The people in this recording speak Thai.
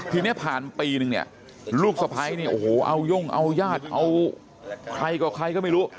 ทีนี้ผ่านปีหนึ่งเนี่ยลูกสไภเนี่ยโอ้โหเอาย่องเอายาดเอาใครกับใครก็ไม่รู้